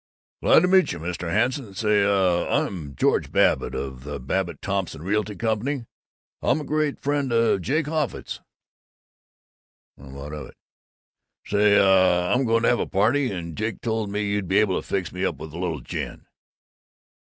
"Glad meet you, Mr. Hanson. Say, uh I'm George Babbitt of the Babbitt Thompson Realty Company. I'm a great friend of Jake Offutt's." "Well, what of it?" "Say, uh, I'm going to have a party, and Jake told me you'd be able to fix me up with a little gin."